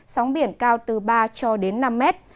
sóng biển cao từ ba cho đến năm mét